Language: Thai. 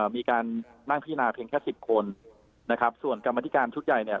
มีการนั่งพินาเพียงแค่สิบคนนะครับส่วนกรรมธิการชุดใหญ่เนี่ย